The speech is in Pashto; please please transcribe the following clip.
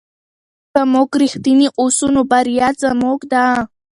که موږ رښتیني اوسو نو بریا زموږ ده.